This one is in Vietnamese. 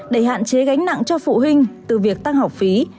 để hạn chế gánh nặng cho phụ huynh từ việc tăng học phí